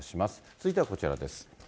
続いてはこちらです。